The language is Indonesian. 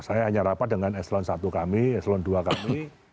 saya hanya rapat dengan eselon i kami eselon ii kami